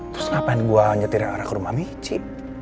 terus ngapain gue nyetirin arah ke rumah mici